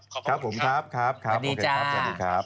ขอบคุณครับสวัสดีจ้า